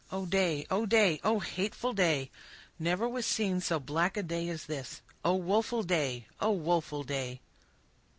O day! O day! O hateful day! Never was seen so black a day as this; O woful day! O woful day!